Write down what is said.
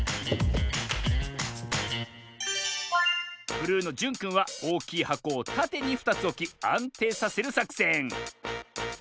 ブルーのじゅんくんはおおきいはこをたてに２つおきあんていさせるさくせん。